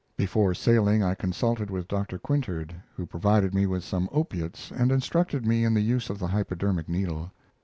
Before sailing I consulted with Dr. Quintard, who provided me with some opiates and instructed me in the use of the hypodermic needle.